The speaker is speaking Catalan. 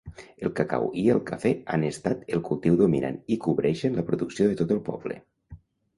El cacau i el cafè han estat el cultiu dominant i cobreixen la producció de tot el poble.